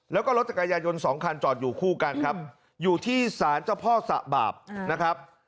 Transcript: แล้วก็รถจักรยายนสองคันจอดอยู่คู่กันครับอยู่ที่สารเจ้าพ่อสะบาปนะครับ